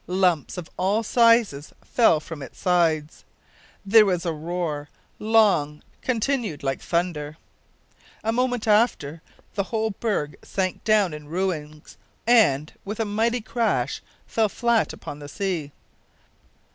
Lumps of all sizes fell from its sides. Then there was a roar, long continued like thunder; a moment after, the whole berg sank down in ruins, and, with a mighty crash, fell flat upon the sea!